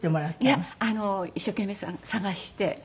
いや一生懸命探して。